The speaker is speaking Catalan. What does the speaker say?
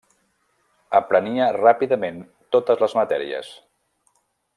Aprenia ràpidament totes les matèries.